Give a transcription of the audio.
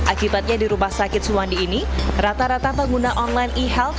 akibatnya di rumah sakit suwandi ini rata rata pengguna online ehalth